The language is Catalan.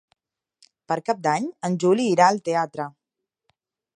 Per Cap d'Any en Juli irà al teatre.